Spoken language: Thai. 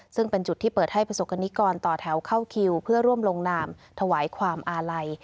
ซึ่งเป็นจุดที่เปิดให้ประสบกรณิกรต่อแถวเข้าคิวเพื่อร่วมลงนามถวายความอาลัย